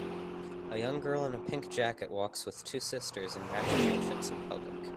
A young girl in a pink jacket walks with two sisters in matching outfits in public.